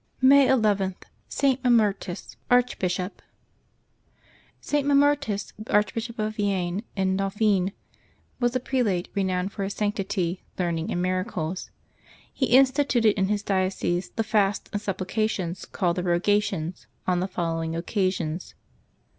May II.— ST. MAMMERTUS, Archbishop. |t. Mammertus, Archbishop of Yienne in Dauphine, was a prelate renowned for his sanctity, learning, and miracles. He instituted in his diocese the fasts and supplications called the Eogations, on the following occa sions.